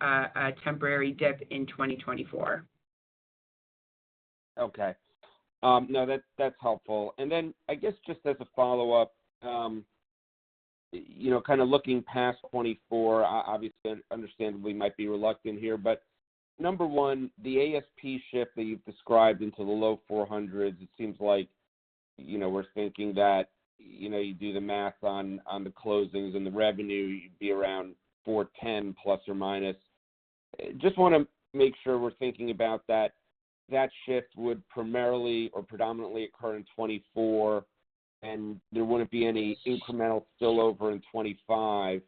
E: a temporary dip in 2024.
I: Okay. No, that's helpful. And then I guess just as a follow-up, you know, kind of looking past 2024, obviously, understandably, might be reluctant here, but number one, the ASP shift that you've described into the low $400s, it seems like, you know, we're thinking that, you know, you do the math on the closings and the revenue, you'd be around $410, ±. Just wanna make sure we're thinking about that. That shift would primarily or predominantly occur in 2024, and there wouldn't be any incremental spill over in 2025.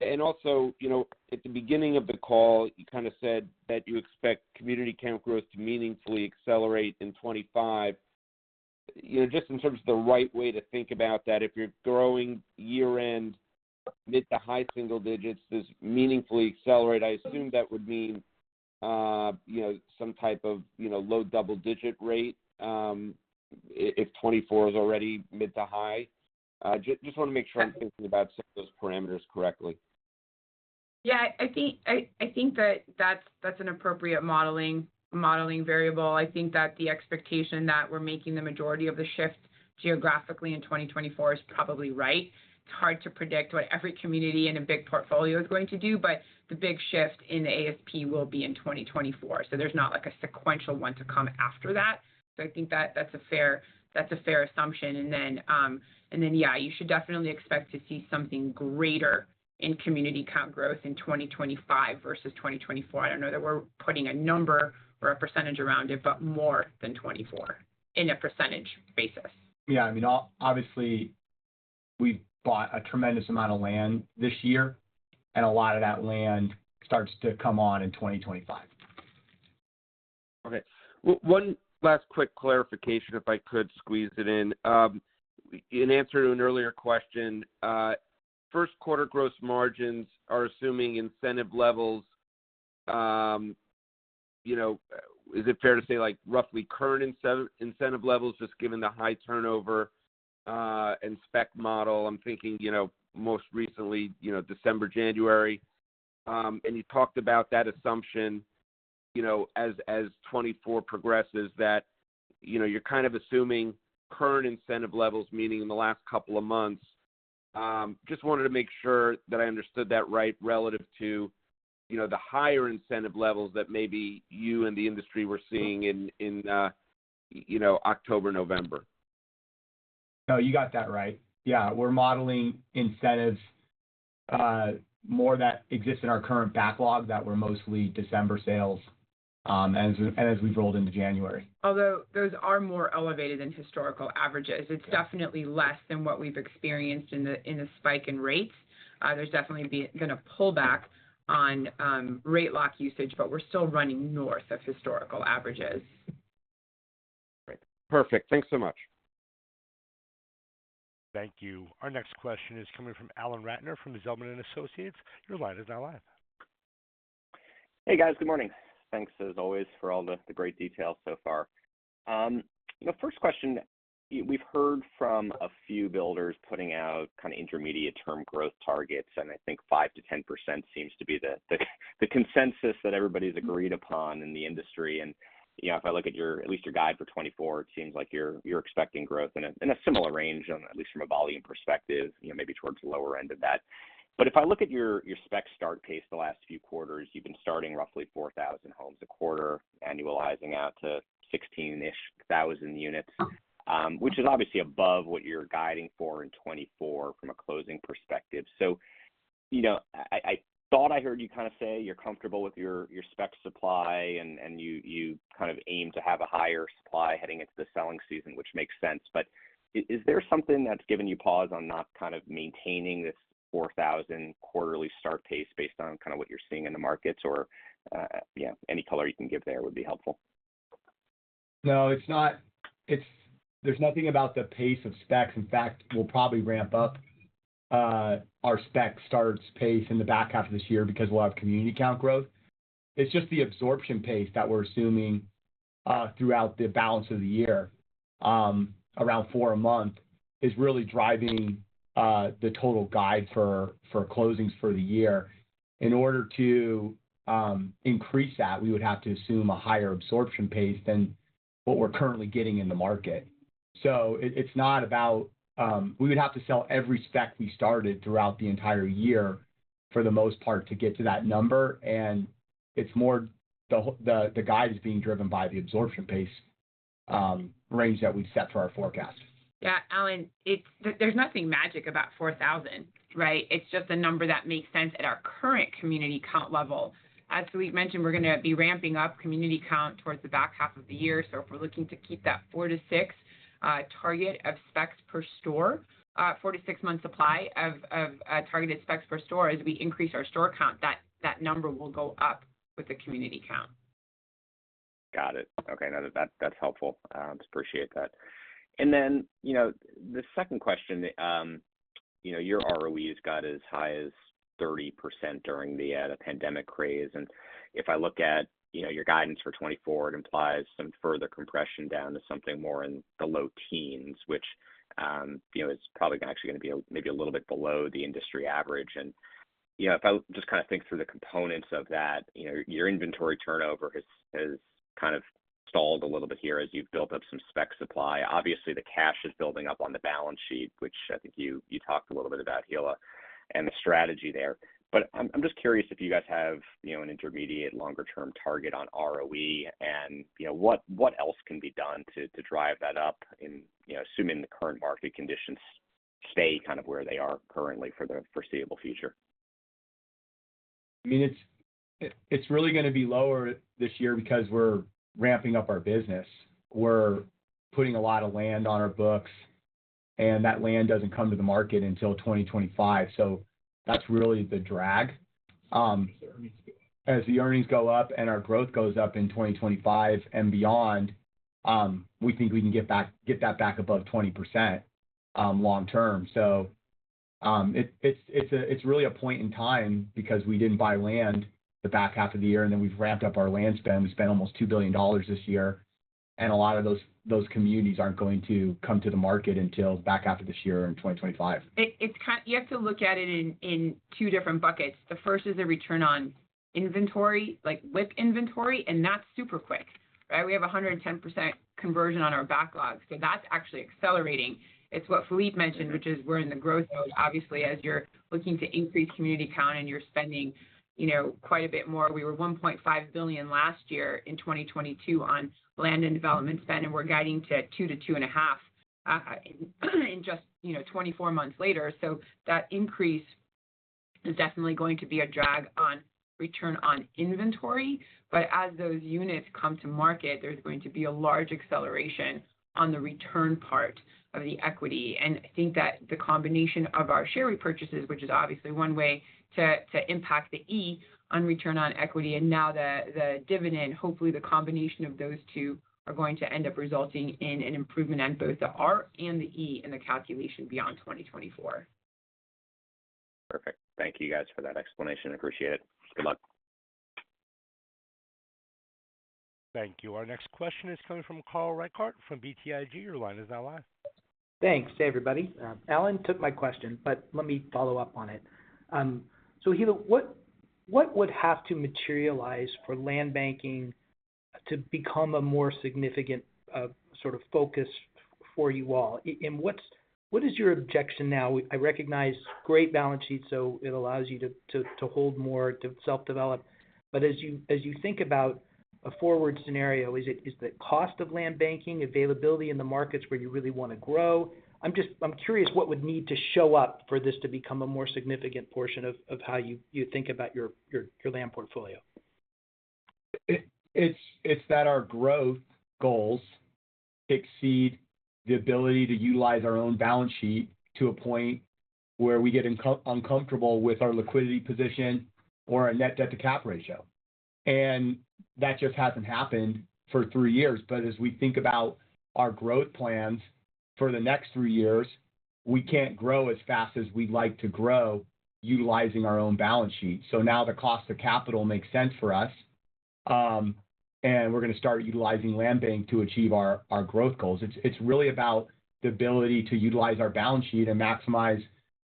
I: And also, you know, at the beginning of the call, you kind of said that you expect community count growth to meaningfully accelerate in 2025. You know, just in terms of the right way to think about that, if you're growing year end, mid to high single digits, this meaningfully accelerate, I assume that would mean, you know, some type of, you know, low double-digit rate, if 2024 is already mid to high. Just wanna make sure I'm thinking about set those parameters correctly.
E: Yeah. I think that that's an appropriate modeling variable. I think that the expectation that we're making the majority of the shift geographically in 2024 is probably right. It's hard to predict what every community in a big portfolio is going to do, but the big shift in the ASP will be in 2024. So there's not like a sequential one to come after that. So I think that that's a fair assumption. And then, and then, yeah, you should definitely expect to see something greater in community count growth in 2025 versus 2024. I don't know that we're putting a number or a percentage around it, but more than 24 in a percentage basis.
D: Yeah. I mean, obviously, we bought a tremendous amount of land this year, and a lot of that land starts to come on in 2025.
I: Okay. One last quick clarification, if I could squeeze it in. In answer to an earlier question, Q1 gross margins are assuming incentive levels. You know, is it fair to say, like, roughly current incentive levels, just given the high turnover and spec model? I'm thinking, you know, most recently, you know, December, January, and you talked about that assumption, you know, as 2024 progresses, that, you know, you're kind of assuming current incentive levels, meaning in the last couple of months. Just wanted to make sure that I understood that right, relative to, you know, the higher incentive levels that maybe you and the industry were seeing in, you know, October, November.
D: No, you got that right. Yeah, we're modeling incentives more that exist in our current backlog that were mostly December sales as we rolled into January.
E: Although those are more elevated than historical averages, it's definitely less than what we've experienced in a spike in rates. There's definitely gonna pull back on rate lock usage, but we're still running north of historical averages.
I: Great. Perfect. Thanks so much.
A: Thank you. Our next question is coming from Alan Ratner, from Zelman & Associates. Your line is now live.
J: Hey, guys. Good morning. Thanks as always, for all the great details so far. The first question, we've heard from a few builders putting out kind of intermediate-term growth targets, and I think 5%-10% seems to be the consensus that everybody's agreed upon in the industry. And, you know, if I look at at least your guide for 2024, it seems like you're expecting growth in a similar range, on at least from a volume perspective, you know, maybe towards the lower end of that. But if I look at your spec start pace, the last few quarters, you've been starting roughly 4,000 homes a quarter, annualizing out to 16,000-ish units which is obviously above what you're guiding for in 2024 from a closing perspective. So, you know, I thought I heard you kind of say you're comfortable with your spec supply, and you kind of aim to have a higher supply heading into the selling season, which makes sense. But is there something that's given you pause on not kind of maintaining this 4,000 quarterly start pace based on kind of what you're seeing in the markets? Or, yeah, any color you can give there would be helpful.
D: No, it's not. It's - there's nothing about the pace of specs. In fact, we'll probably ramp up our spec starts pace in the back half of this year, because we'll have community count growth. It's just the absorption pace that we're assuming throughout the balance of the year, around 4 a month, is really driving the total guide for closings for the year. In order to increase that, we would have to assume a higher absorption pace than what we're currently getting in the market. So, it's not about. We would have to sell every spec we started throughout the entire year for the most part, to get to that number, and it's more the guide is being driven by the absorption pace range that we've set for our forecast.
E: Yeah, Alan, there's nothing magic about 4,000, right? It's just a number that makes sense at our current community count level. As we've mentioned, we're going to be ramping up community count towards the back half of the year. So if we're looking to keep that 4-6 target of specs per store, 4-6-month supply of targeted specs per store, as we increase our store count, that number will go up with the community count.
J: Got it. Okay, now, that, that's helpful. Appreciate that. And then, you know, the second question, you know, your ROE has got as high as 30% during the, the pandemic craze. And if I look at, you know, your guidance for 2024, it implies some further compression down to something more in the low teens, which, you know, is probably actually going to be maybe a little bit below the industry average. And, you know, if I just kind of think through the components of that, you know, your inventory turnover has, has kind of stalled a little bit here as you've built up some spec supply. Obviously, the cash is building up on the balance sheet, which I think you, you talked a little bit about, Hilla, and the strategy there. But I'm just curious if you guys have, you know, an intermediate longer-term target on ROE, and, you know, what else can be done to drive that up in, you know, assuming the current market conditions stay kind of where they are currently for the foreseeable future?
D: I mean, it's really going to be lower this year because we're ramping up our business. We're putting a lot of land on our books, and that land doesn't come to the market until 2025. So that's really the drag. As the earnings go up and our growth goes up in 2025 and beyond, we think we can get that back above 20%, long term. So, it's really a point in time because we didn't buy land the back half of the year, and then we've ramped up our land spend. We spent almost $2 billion this year, and a lot of those communities aren't going to come to the market until back half of this year in 2025.
E: It's kind of. You have to look at it in two different buckets. The first is the return on inventory, like, with inventory, and that's super quick, right? We have 110% conversion on our backlog, so that's actually accelerating. It's what Phillippe mentioned, which is we're in the growth mode. Obviously, as you're looking to increase community count and you're spending, you know, quite a bit more. We were $1.5 billion in 2022 on land and development spend, and we're guiding to $2 billion-$2.5 billion in just, you know, 24 months later. So that increase is definitely going to be a drag on return on inventory. But as those units come to market, there's going to be a large acceleration on the return part of the equity. I think that the combination of our share repurchases, which is obviously one way to impact the E on return on equity, and now the dividend, hopefully, the combination of those two are going to end up resulting in an improvement on both the R and the E in the calculation beyond 2024.
J: Perfect. Thank you guys for that explanation. I appreciate it. Good luck.
A: Thank you. Our next question is coming from Carl Reichardt from BTIG. Your line is now live.
K: Thanks. Hey, everybody. Alan took my question, but let me follow up on it. So Hilla, what would have to materialize for land banking to become a more significant sort of focus for you all? And, what's your objection now? I recognize great balance sheet, so it allows you to hold more, to self-develop. But as you think about a forward scenario, is it the cost of land banking availability in the markets where you really want to grow? I'm just curious what would need to show up for this to become a more significant portion of how you think about your land portfolio.
D: It's that our growth goals exceed the ability to utilize our own balance sheet to a point where we get uncomfortable with our liquidity position or our net debt-to-cap ratio. And that just hasn't happened for three years. But as we think about our growth plans for the next three years, we can't grow as fast as we'd like to grow, utilizing our own balance sheet. So now the cost of capital makes sense for us, and we're going to start utilizing land banking to achieve our growth goals. It's really about the ability to utilize our balance sheet and maximize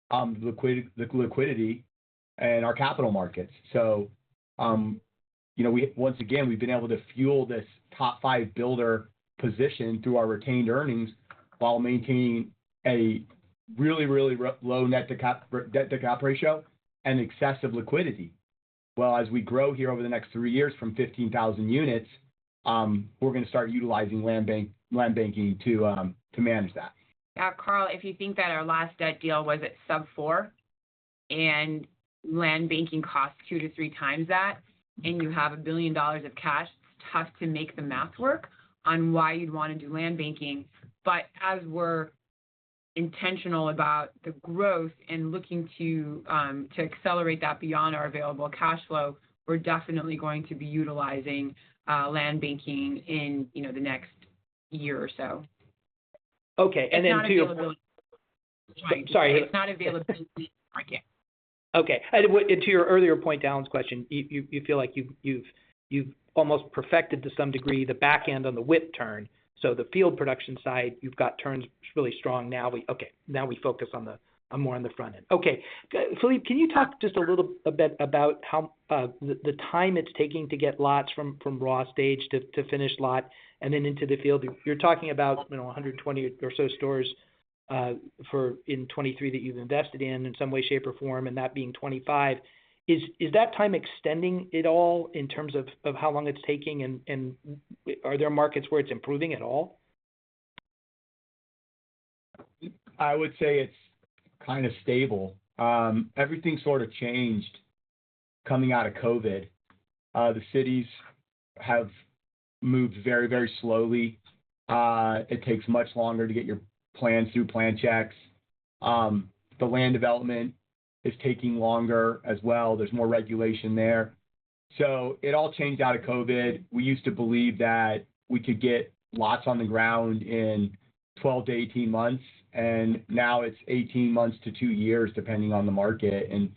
D: the liquidity and our capital markets. So, you know, once again, we've been able to fuel this top five builder position through our retained earnings, while maintaining a really, really low net-to-cap, debt-to-cap ratio and excessive liquidity. Well, as we grow here over the next three years from 15,000 units, we're going to start utilizing land banking to manage that.
E: Yeah, Carl, if you think that our last debt deal was at sub-4, and land banking costs 2-3 times that, and you have $1 billion of cash, it's tough to make the math work on why you'd want to do land banking. But as we're intentional about the growth and looking to accelerate that beyond our available cash flow, we're definitely going to be utilizing land banking in, you know, the next two-year or so.
K: Okay, and then to-
E: It's not available.
K: Sorry.
E: It's not available yet.
K: Okay. And to your earlier point, Alan's question, you feel like you've almost perfected to some degree the back end on the WIP turn. So the field production side, you've got turns really strong now. Okay, now we focus on more on the front end. Okay. Phillippe, can you talk just a little bit about how the time it's taking to get lots from raw stage to finished lot and then into the field? You're talking about, you know, 120 or so stores for in 2023 that you've invested in, in some way, shape, or form, and that being 25. Is that time extending at all in terms of how long it's taking, and are there markets where it's improving at all?
D: I would say it's kind of stable. Everything sort of changed coming out of COVID. The cities have moved very, very slowly. It takes much longer to get your plans through plan checks. The land development is taking longer as well. There's more regulation there. So it all changed out of COVID. We used to believe that we could get lots on the ground in 12-18 months, and now it's 18 months-2 years, depending on the market, and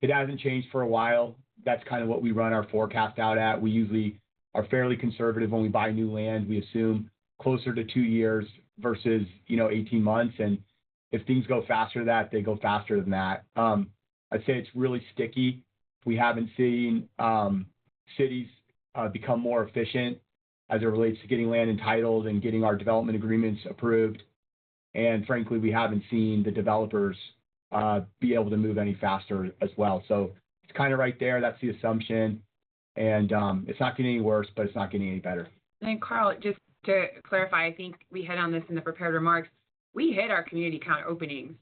D: it hasn't changed for a while. That's kind of what we run our forecast out at. We usually are fairly conservative when we buy new land. We assume closer to 2 years versus, you know, 18 months, and if things go faster than that, they go faster than that. I'd say it's really sticky. We haven't seen cities become more efficient as it relates to getting land and titles and getting our development agreements approved. And frankly, we haven't seen the developers be able to move any faster as well. So it's kind of right there. That's the assumption, and it's not getting any worse, but it's not getting any better.
E: And Carl, just to clarify, I think we hit on this in the prepared remarks. We hit our community count openings,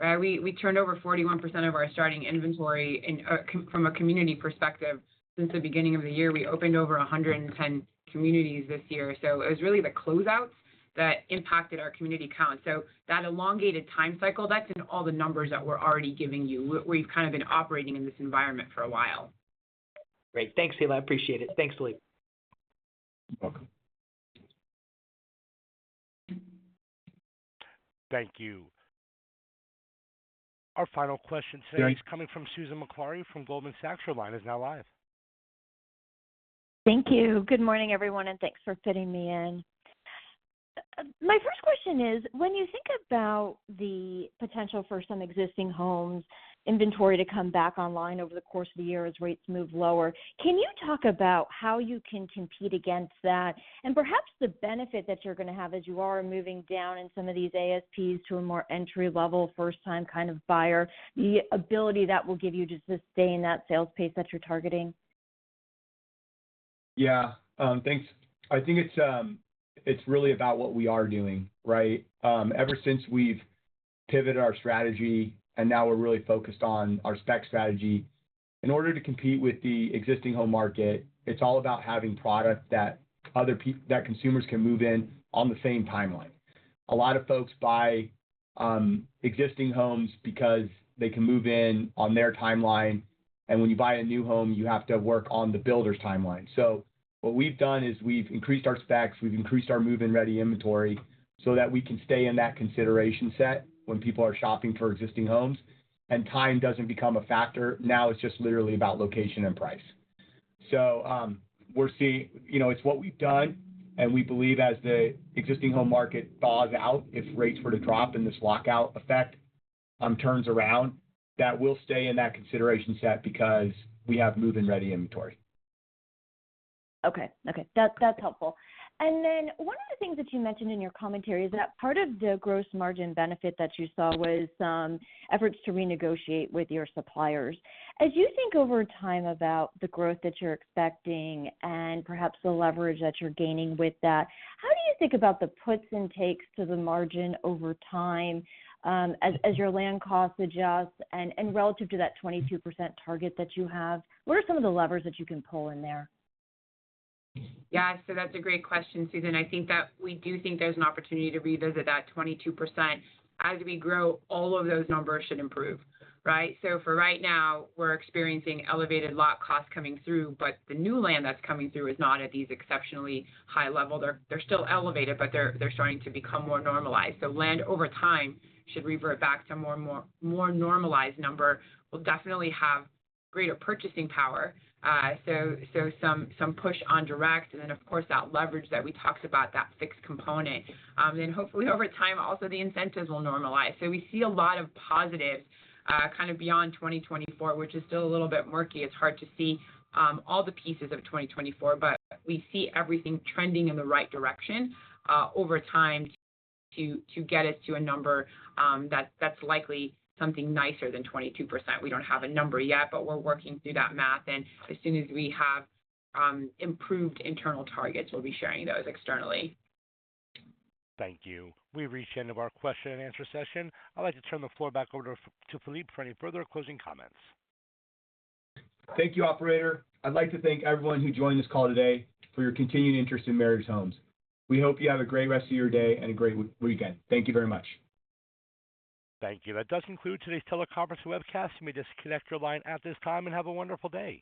E: right? We, we turned over 41% of our starting inventory, and from a community perspective, since the beginning of the year, we opened over 110 communities this year. So it was really the closeouts that impacted our community count. So that elongated time cycle, that's in all the numbers that we're already giving you. We've kind of been operating in this environment for a while.
K: Great. Thanks, Hilla. I appreciate it. Thanks, Phillippe.
D: You're welcome.
A: Thank you. Our final question today-
K: Thanks.
A: is coming from Susan Maklari from Goldman Sachs. Your line is now live.
L: Thank you. Good morning, everyone, and thanks for fitting me in. My first question is, when you think about the potential for some existing homes inventory to come back online over the course of the year as rates move lower, can you talk about how you can compete against that? And perhaps the benefit that you're going to have as you are moving down in some of these ASPs to a more entry-level, first-time kind of buyer, the ability that will give you to sustain that sales pace that you're targeting.
D: Yeah, thanks. I think it's really about what we are doing, right? Ever since we've pivoted our strategy and now we're really focused on our spec strategy, in order to compete with the existing home market, it's all about having product that consumers can move in on the same timeline. A lot of folks buy existing homes because they can move in on their timeline, and when you buy a new home, you have to work on the builder's timeline. So what we've done is we've increased our specs, we've increased our move-in ready inventory, so that we can stay in that consideration set when people are shopping for existing homes and time doesn't become a factor. Now, it's just literally about location and price. So, we're seeing... You know, it's what we've done, and we believe as the existing home market thaws out, if rates were to drop and this lockout effect turns around, that we'll stay in that consideration set because we have move-in-ready inventory.
L: Okay. Okay, that's, that's helpful. And then one of the things that you mentioned in your commentary is that part of the gross margin benefit that you saw was efforts to renegotiate with your suppliers. As you think over time about the growth that you're expecting and perhaps the leverage that you're gaining with that, how do you think about the puts and takes to the margin over time, as your land costs adjust and relative to that 22% target that you have, what are some of the levers that you can pull in there?
E: Yeah, so that's a great question, Susan. I think that we do think there's an opportunity to revisit that 22%. As we grow, all of those numbers should improve, right? So for right now, we're experiencing elevated lot costs coming through, but the new land that's coming through is not at these exceptionally high levels. They're still elevated, but they're starting to become more normalized. So land, over time, should revert back to a more normalized number. We'll definitely have greater purchasing power, so some push on direct and then, of course, that leverage that we talked about, that fixed component. Then hopefully over time, also, the incentives will normalize. So we see a lot of positives, kind of beyond 2024, which is still a little bit murky. It's hard to see all the pieces of 2024, but we see everything trending in the right direction over time to, to get us to a number that's, that's likely something nicer than 22%. We don't have a number yet, but we're working through that math, and as soon as we have improved internal targets, we'll be sharing those externally.
A: Thank you. We've reached the end of our question and answer session. I'd like to turn the floor back over to Phillippe for any further closing comments.
D: Thank you, operator. I'd like to thank everyone who joined this call today for your continued interest in Meritage Homes. We hope you have a great rest of your day and a great weekend. Thank you very much.
A: Thank you. That does conclude today's teleconference webcast. You may disconnect your line at this time and have a wonderful day.